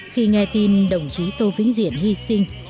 khi nghe tin đồng chí tô vĩnh diện hy sinh